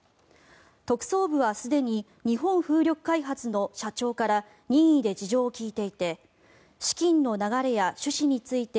特捜部はすでに日本風力開発の社長から任意で事情を聴いていて資金の流れや趣旨について